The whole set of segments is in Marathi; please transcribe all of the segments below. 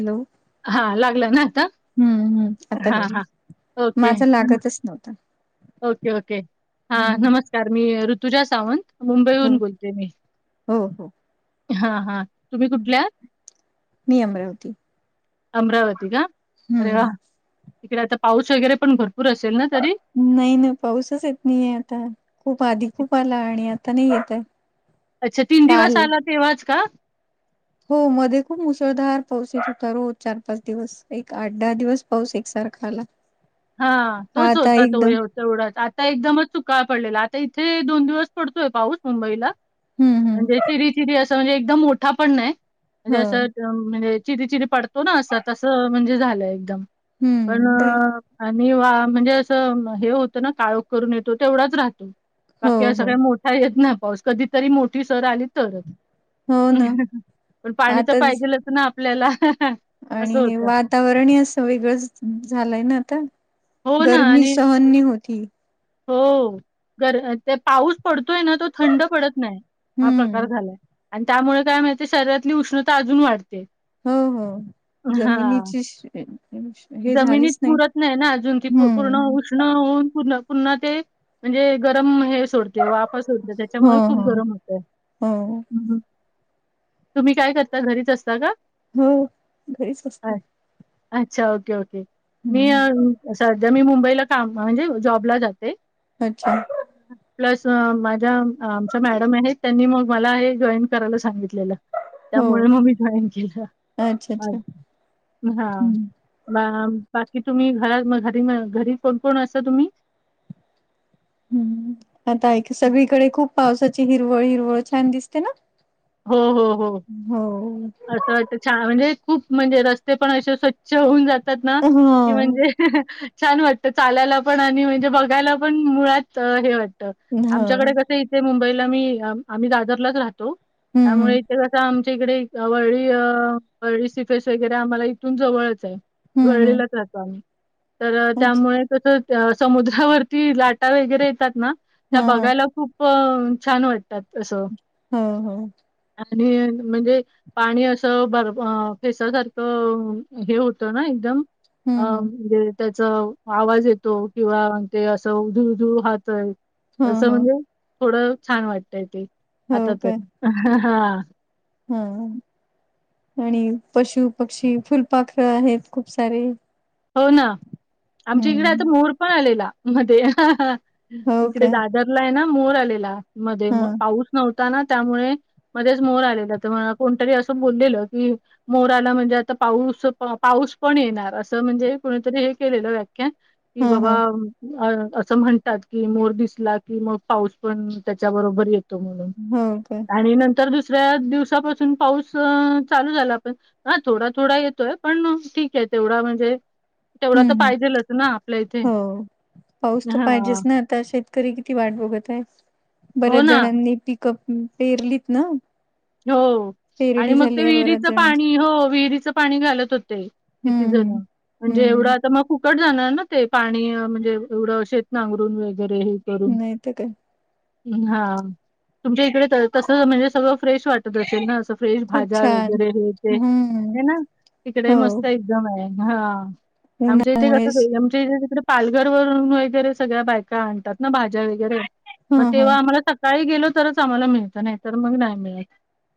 हॅलो, हां लागला ना आता? हम्म हम्म. आता हां, काडलं. हां. ओके. माझा नम लागतच नव्हता. ओके ओके हा. हम्म नमस्कार, मी ऋतुजा सावंत. हो मुंबईहून बोलते मी. हो हो हा हा. तुम्ही कुठल्यात? मी अमरावती. अमरावती का. अरे हम्म वा तिकडे आता पाऊस वगैरे, पण भरपूर असेल ना तरी. नाही ना. पाऊसच येत नाही आहे आता. खूप आधी. खूप आला आणि आता नाही येत आहे. अच्छा, तीन काल दिवस आला तेव्हाच का? हो. मध्ये खूप मुसळधार पाऊस येत होता रोज चार- पाच दिवस एक आठ दहा दिवस पाऊस एकसारखा लाग हा. तोच होता तो व्यव तेवडाच आता एकदमच धूकाळ पडलेला. आता इथे दोन दिवस पडतोय पाऊस मुंबईला. हम्म हम्म म्हणजे चिरी चिरी असं म्हणजे एकदम मोठा पण नाही. म्हणजे हो असं, म्हणजे चिरी चिरी पडतो ना असं तसं म्हणजे झालंय एकदम, पण हम्म ते आणि वा म्हणजे असं हे होतं ना काळोख करून येतो तेवढाच राहतो. हो बाकी अस हो काय मोठा येत नाही. पाऊस कधीतरी मोठी सर आली करुदेत. हो ना पन पाणी तर आताच पाहिजेलच ना आपल्याला असं आणि हे होतं. वातावरणही असं वेगळंच झालंय ना आता. हो ना गरमी आणि सहन नाही होती. हो. गर ते पाऊस पडतोय ना तो थंड पडत नाही हा प्रकार हम्म. झालाय. आणि त्यामुळे काय माहित शरीरातली उष्णता अजून वाढते. हो हो. हां जमिनीची हे जमिनीत झालीच पुरत नाही ना. अजून ती पूर्ण हम्म. ऊन पुन्हा पुन्हा ते म्हणजे गरम हे सोडते वाफ. हो, त्याच्यामुळे खूप हो, गरम होतय्. हो, तुम्ही काय करता? घरीच असता का? हो.. घरीच असते. अ अच्छा ओके -ओके. मी हम्म. सध्या मी मुंबईला काम म्हणजे जॉबला जाते. अ अच्छा. [inaudible] प्लस माझ्या आमच्या मॅडम आहेत त्यांनी मग मला हे जॉईन करायला सांगितलेल. त्यामुळे हो. मग मी जॉईन केल अच्छा, अ.. अच्छा. हा.. हम्म. बा.. बाकी तुम्ही घरात घरी घरी कोण कोण अस तुम्ही? हम्. आता ऐक हं. सगळीकडे खूप पावसाची हिरवळ हिरवळ छान दिसते ना. हो.. हो.. हो.. हो. असं छान म्हणजे खूप म्हणजे रस्ते पण असे स्वच्छ होऊन जातात ना की हां. म्हणजे ह्.. छान वाटत चालायला पण आणि म्हणजे बघायला पण मुळात हे वाटत. हो. आमच्याकडे कस इथे मुंबईला मी आम्ही दादरलाच राहतो हम्म, हम्म. त्यामुळे ते कस आमच्या इकडे वरळी -वरळी सिफेस वगैरे आम्हाला इथून जवळच आहे. हम्म, वरळी हम्म. लाच जातो आम्ही, तर अच्छा. त्यामुळे तस समुद्रावरती लाटा वगैरे येतात ना त्या हां, हां. बघायला खूप ह्.. छान वाटतात अस हृ.. ह्.. आणि.. म्हणजे.. पाणी अस बर फेसा.. सारख.. हे होत ना एकदम ह.. हम्म, हम्म. दे त्याच आवाज येतो किंवा ते असं उधु उधूळ वाहतय तस हां, हां. म्हणजे थोड छान वाटतय ते हो आता तरी हा.. हा.. आणि पशु, पक्षी, फुलपाखर आहेत खूप सारे हो ना, आमच्या इकडे आता हम्म. मोर पण आलेला मध्ये ह्.. हो इकडे का? दादार ला आहे ना मोर आलेला मध्ये हां. पाऊस नव्हता ना त्यामुळे मध्येच मोर आलेला तर मला कोणतरी अस बोललेल की मोर आला म्हणजे, आता पाऊस -पाऊस पण येणार अस म्हणजे कुणीतरी हे केलेल व्याख्यान की.. हां, बाबा हां. अ अस म्हणतात की, मोर दिसला की मग पाऊस पण त्याच्याबरोबर येतो. म्हणून हो का? आणि नंतर दुसऱ्या दिवसापासून पाऊस चालू झाला पण हा थोडा थोडा येतोय, पण ठीक आहे तेवढा म्हणजे तेवढा हं, तर हं. पाहिजेलच ना आपल्या इथे, हो. पाऊस तर हा.. पाहिजेच ना आता शेतकरी किती वाट बघत आहे, हो बऱ्याच ना. जणांनी पिकअप पेरलीत ना. हो आणि पेरणी मग झाली ते आहे बऱ्याच विहिरीच जणांची. पाणी. हो विहिरीच पाणी घालत होते. किती हं, जण हं. म्हणजे, एवढ हं. आता मग खूप कट जाणार ना ते पाणी अ.. म्हणजे एवढं शेत नांगरून वगैरे हे करून. नाही तर काय. हा तुमच्या इकडे त तस म्हणजे सगळ फ्रेश वाटत असेल ना अस फ्रेश खूप भाज्या छान. वगैरे हे ते. हं. हे ना तिकडे हो. मस्त [unintelligible] हा आमच्या इथे कसं उन्हामुळेच. [unintelligible] ते तिकडे पालघर वरून वगैरे सगळ्या बायका आणतात ना भाज्या वगैरे. मग हं, हं. तेव्हा आम्हाला सकाळी गेलो तरच आम्हाला मिळत नाही तर मग नाही मिळत.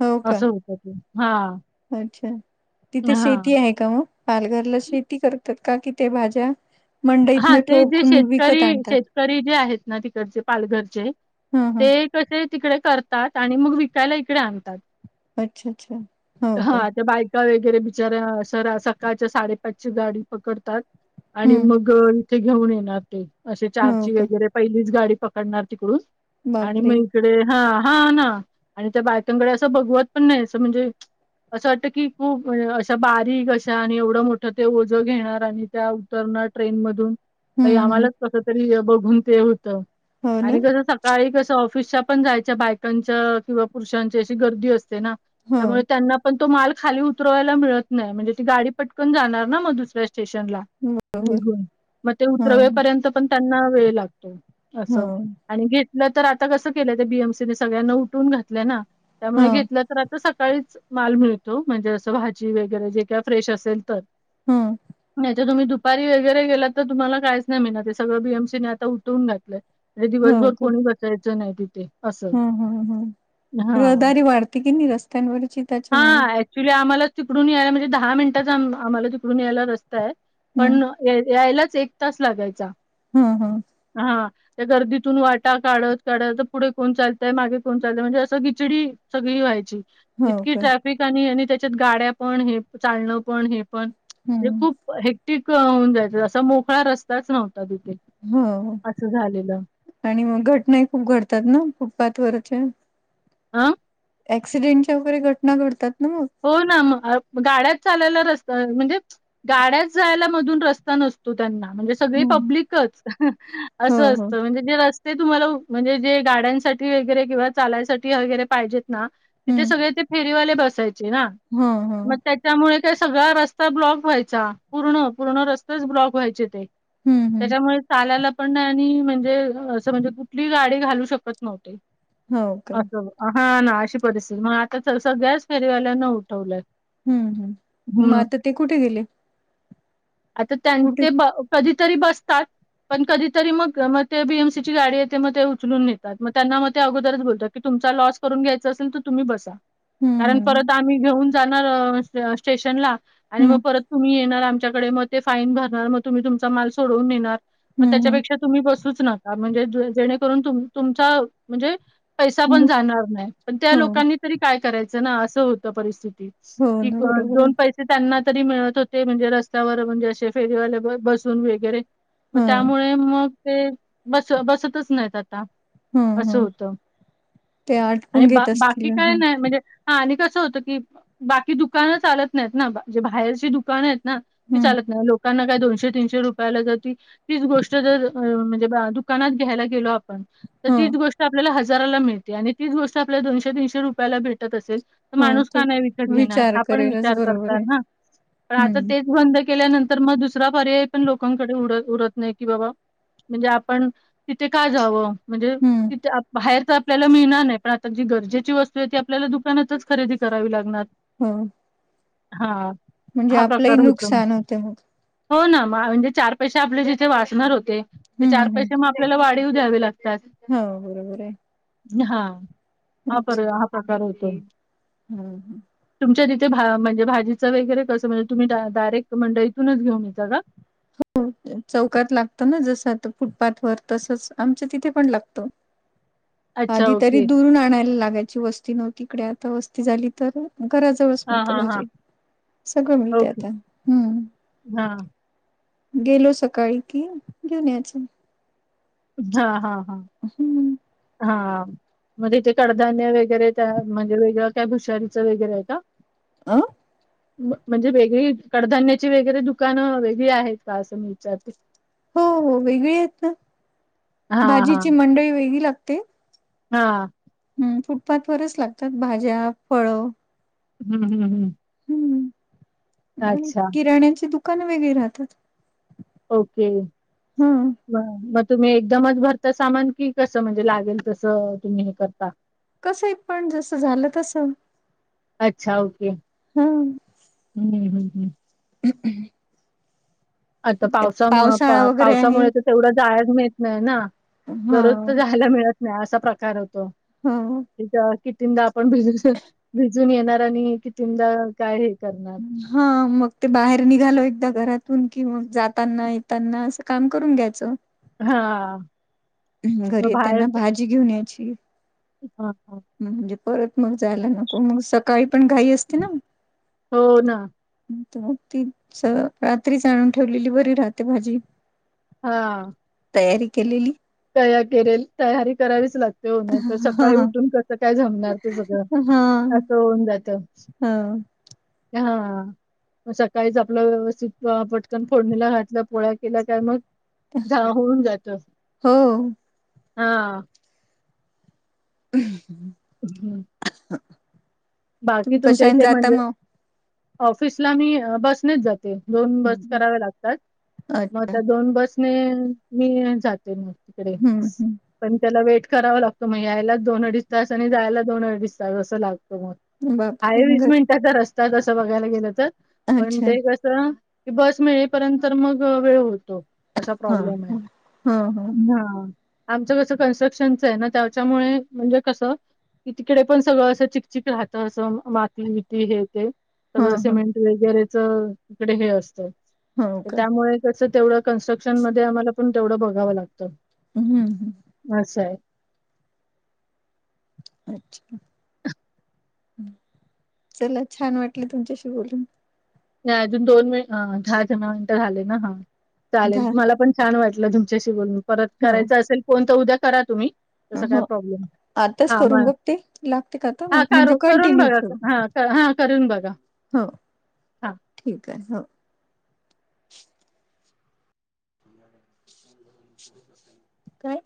हो का? असहोत. हा अच्छा तिथे शेती आहे का? मग पालघरला शेती करतात का? कि ते भाज्या हा मंडईतनं ते जे ठोक नि शेतकरी विकत आणतात? शेतकरी जे आहेत ना तिकडचे पालघरचे हं, हं. ते कसे तिकडे करतात आणि मग विकायला इकडे आणतात. अच्छा, अच्छा. हो हा का? ते बाय- का वगैरे बिचाऱ्या सरा, सकाळच्या साडेपाचची गाडी पकडतात आणि हम्म. मग- इथे घेऊन येणार ते, असे हो चारची का? वगैरे पहिलीच गाडी पकडणार तिकडून- आणि बापरे! मग इकडे हा, हा ना आणि त्या बायकांकडे असं बघवत पण नाही अस म्हणजे- असं वाटतं की, खूप अशा बारीक अशा आणि एवढं मोठं ते ओझं घेणार आणि त्या उतरणार- ट्रेन मधून, बाई हम्म, हम्म. आम्हाला कसं तरी हे बघून ते होतं हो ना? आणि तूला सां- सकाळी कसं ऑफिसच्या पण जायच्या, बायकांच्या किंवा पुरुषांची अशी गर्दी असते ना. त्यामुळे हां. त्यांना- पण तो माल खाली उतरवायला मिळत नाही, म्हणजे ती गाडी पटकन जाणार ना मग दुसऱ्या स्टेशनला? [inaudible] निघून, मग ते हां, उतरवेपर्यंत पण त्यांना वेळ लागतो असं. हां. आणि घेतलं तर आता कसं केलंय, त्या बी एम सी ने सगळ्यांना उठवून घातलंय ना. त्यामुळे हां, घेतलं तर आता सकाळीच- माल मिळतो, म्हणजे असं भाजी वगैरे जे काय फ्रेश असेल तर, हां. नाहीतर तुम्ही दुपा- दुपारी वगैरे गेला तर तुम्हाला काहीच नाही मिळणार ते, सगळं बी एम सी ने आता उठवून घातलंय. आणि दिवसभर कोणी बसायचं नाही तिथे. असं. हम्म, हम्म, हम्म, रहदारी वाढते कीनी रस्त्यांवरची. हा, त्याच्यामुळे. ऍक्च्युली आम्हालाच तिकडून याय म्हणजे, दहा मिनिटांचा आम आम्हाला तिकडून यायला रस्ता आहे. हं. पण या यायलाच एक तास लागायचा. हं, हं. हा. त्या गर्दीतून वाटा काढत, काढत तर पुढे कोण चालतय, मागे कोण चालतंय, म्हणजे असं गिचडी- सगळी व्हायची. हो इतकी का? ट्रॅफिक आणि आणि त्याच्यात गाड्या पण हे प चालणं पण हे प- पण म्हणजे हं. खूप हेक्टिक होऊन जायचं, असा मोकळा रस्ताच नव्हता तिथे. हो. असं झालेलं. आणि मग घटनाही खूप घडतात ना फुटपाथ वरच्या? आ? ऍक्सिडेंटच्या वगैरे घटना घडतात ना मग? होय ना मग, अ गाड्याच चालायला रस्ता म्हणजे- गाड्याच जायला मधून रस्ता नसतो त्यांना म्हणजे- सगळी हं. पब्लिकच हो, असं हो. असतं, म्हणजे- जे रस्ते तुम्हाला म्हणजे जे गाड्यांसाठी वगैरे किंवा चालायसाठी वगैरे पाहिजेत ना- तिथे हं. सगळे ते फेरीवाले बसायचे ना, हां, हां. मग त्या- च्यामुळे ते काय सगळा रस्ता ब्लॉक व्हायचा, पूर्ण, पूर्ण रस्तेच ब्लॉक व्हायचे ते. हं, हं. त्याच्यामुळे- चालायला पण नाही आणि म्हणजे असं म्हणजे कुठली गाडी घालू शकत नव्हते. हो का? असं हा ना, अशी परिस्थिती मग आता स सगळ्याच फेरीवाल्याना उठवलंय. हम्म, हम्म, मग हं. आता ते कुठे गेले? आता त्यां कुठे? ते ब कधीतरी बसतात- पण कधीतरी मग म ते बी एम सी ची गाडी येते, मग ते उचलून नेतात, मग त्यांना मग ते अगोदरच बोलतात- कि तुमचा लॉस करून घ्यायचां असेल, तर तुम्ही बसा. [inaudible] कारण परत आम्ही घेऊन जाणार स्टेशनला आणि मग हं, परत- तुम्ही येणार आमच्याकडे. मग ते फाईन भरणार. मग तुम्ही तुमचा माल सोडवून नेणार. मग हं, हं. त्याच्यापेक्षा तुम्ही बसूच नका. म्हणजे जेणेकरून तुमचा म्हणजे पैसा पण न जाणार नाही. पण त्या हो लोकांनी तरी काय करायच ना. अस होत परिस्थितीत. हो की ना को बरोबर आहे. दोन पैसे ते त्यांना तरी मिळत होते. म्हणजे रस्त्यावर म्हणजे असे फेरीवाले बसून वगैरे. मग हा त्यामुळे मग ते बस बसतच नाहीत आता. हा अस हा होत. ते आटपून आणि बा घेत असतील बाकी काय ह नाही. म्हणजे हा आणि कस होत की बाकी दुकान चालत नाहीत ना. बा जे बाहेरची दुकान आहेत ना ती हं चालत नाही. लोकांना काय दोनशे तीनशे रुपयाला जर ती तीच गोष्ट जर अ म्हणजे दुकानात घ्यायला गेलो आपण तर ह तीच गोष्ट आपल्याला हजाराला मिळते. आणि तीच गोष्ट आपल्याला दोनशे तीनशे रुपयाला भेटत असेल तर हो माणूस तर का नाही विकत घेणार. विचार हा पण करेलच विचार बरोबर करता आहे. ना. पण आता हम्म तेच बंद केल्यानंतर तर मग दुसरा पर्याय पण लोकांकडे उड उरत नाही की बाबा म्हणजे आपण तिथे का जाव. म्हणजे हम्म तिथे बाहेर तर आपल्याला मिळणार नाही. पण आता जी गरजेची वस्तू आहे ती आपल्याला दु दुकानातच खरेदी करावी लागणार. हम्म हा म्हणजे हा आपलही प्रकार होतो नुकसान होत मग. हो ना म्हणजे चार पैसे आपले जिथे वाचणार होते, ते हम्म चार पैसे हम्म म आपल्याला वाढीव द्यावे लागतात. हो बरोबर आहे. हा हा हा प्रकार होतोय. हम्म तुमच्या तिथे भा म्हणजे भाजीच वगैरे कस, म्हणजे तुम्ही डायरेक्ट मंडईतूनच घेऊन येता का? हो चौकात लागत ना जस आ फुटपाथ वर. तसच आमच्या तिथे पण लागत. [inaudible] आधी तरी ओके दुरून आणायला लागायची. वस्ती नव्हती इकडे. आता वस्ती झाली तर गरज सगळस हा मिळते हा हा भाजी. सगळ मिळते ओके आता. हम्म हा गेलो सकाळी कि, घेऊन यायच. हा हा हा हम्म हा मग तिथे कडधान्य वगैरे त्या म्हणजे वेगळ काय भुशारीच वैगरे का? अं म्हणजे वेगळी कडधान्याची वैगेरे दुकान वेगळी आहेत का अस मी विचारते. हो हो वेगळी आहेत ना. हां, भाजीची मंडई वेगळी लागते. हा हम्म फुटपाथवरच लागतात. भाज्या, फळ हम्म हम्म हम्म किराण्याची दुकान वेगळी राहतात. ओके. हं मग तुम्ही एकदमच भरता सामान कि. कस म्हणजे लागेल तस तुम्ही हे करता. कसही पण जस झाल तस. अच्छा. ओके. हं हम्म हम्म हम्म. हम् आता पावसामुळे, पा पावसाळा वगैरे आहे. पावसामुळे तर तेवढं जायाच मिळत नाही ना. हा दररोज त जायला मिळत नाही. असा प्रकार होतो. हम. [unintelligible] आपण भिज भिजून येणार आणि कितींदा काय हे करणार? हा. मग ते बाहेर निघालो एकदा घरातून कि मग जाताना येताना असं काम करून घ्यायचं. हा. म घरी मग बाहेर येताना भाजी घेऊन यायची. हा हा. म्हणजे परत मग जायला नको. मग सकाळी पण घाई असते ना? हो ना मग ती सरळ रात्रीच आणून ठेवलेली बरी राहते भाजी. हा. तयारी केलेली. तयार करेल. तयारी करावीच लागते हो. नाही तर सकाळी हा उठून- काय जमणार ते सगळं? हा असं होऊन जात. हा. सकाळीच आपला व्यवस्थित पटकन फोडणीला घातल. पोळ्या केल्या काय मग- [unintelligible] होऊन जात. हो. हा. हम्म. ह बाकी तुमच्या इथे म्हणजे- ऑफिसला मी बसनेच जाते. दोन बस कराव्या लागतात. म अच्छा त्या दोन बस- मि, मिळून जाते मग हम्म तिकडेच. हम्म पण त्याला वेट करावा लागतो. मग यायलाच दोन अडीच तास आणि जायला दोन अडीच तास असं लागतो मग. बापरे आहे वीस घर मिनिटाचा रस्ता तसं बघायला गेलं तर पण, अच्छा ते क- कस की बस मिळेपर्यंत तर मग वेळ होतो. असा हा प्रॉब्लेम आहे. हा. हा हा. आमचं कसं कन्स्ट्रक्शनच आहे ना? त्याच्यामुळे म्हणजे कसं? की तिकडे पण सगळं असं चिकचिक राहत. असं माती बिती हे ते हा सगळं सिमेंट- वगैरेच इकडे हे असत. हा हो त का त्यामुळे कस तेवढं- कन्स्ट्रक्शन मध्ये आम्हाला पण तेवढं बघावं लागतं. हम्म ह. अस आहे. अच्छा. चला छान वाटल तुमच्याशी बोलून. नाही अजून दोन मिनीट. दहा [unintelligible] मिनट झाले ना? हा चालेल धा मला पण- छान वाटलं तुमच्याशी बोलून. परत हा करायचा असेल फोन तर उद्या करा तुम्ही. तस काय हो. प्रॉब्लेम - आताच हा. करून म बघते लागते का आता हा. मग कर म्हणजे करून कंटिन्यू बघा. ठेवू हा. हा. करून बघा. हो. हां. ठीक आहे. हो. काय?